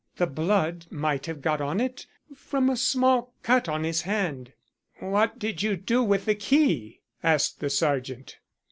The blood might have got on it from a small cut on his hand." "What did you do with the key?" asked the Sergeant.